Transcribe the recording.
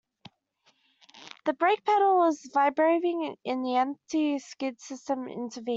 The brake pedal was vibrating as the anti-skid system intervened.